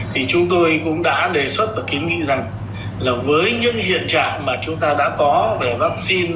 thì chúng tôi cũng đã đề xuất và kiến nghị rằng là với những hiện trạng mà chúng ta đã có về vaccine